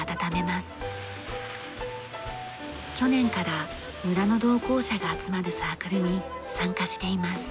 去年から村の同好者が集まるサークルに参加しています。